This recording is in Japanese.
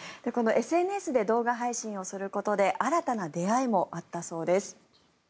ＳＮＳで動画配信をすることで新たな出会いもあったそうです。